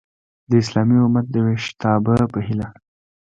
د اسلامي امت د ویښتابه په هیله!